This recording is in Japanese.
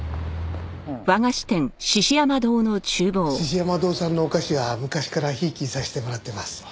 獅子山堂さんのお菓子は昔からひいきにさせてもらってます。